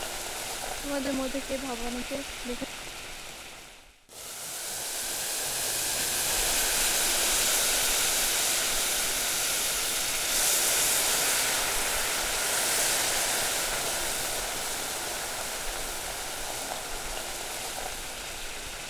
দুনিয়ায় থাকা সকল সমকামীদের আমার পক্ষ থেকে হ্যালো জানাই।